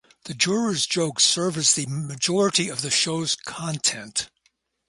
The jurors' jokes serve as the majority of the show's content.